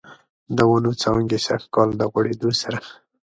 د ونوو څانګې سږکال، د غوړیدو سره